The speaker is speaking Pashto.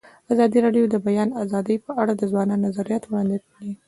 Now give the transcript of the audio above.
ازادي راډیو د د بیان آزادي په اړه د ځوانانو نظریات وړاندې کړي.